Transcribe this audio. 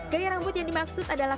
gaya rambut yang dimaksud adalah